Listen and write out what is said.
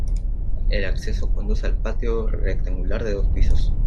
El acceso conduce al patio rectangular de dos pisos.